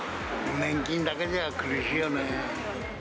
年金だけじゃ苦しいよね。